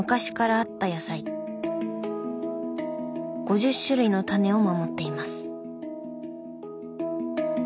５０種類のタネを守っています。